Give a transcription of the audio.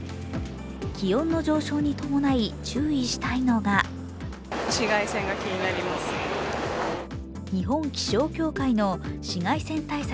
気温の上昇に伴い注意したいのが日本気象協会の紫外線対策